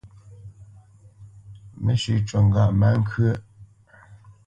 Mə́shʉ̄ cû ŋgâʼ má ŋkyə́ʼ.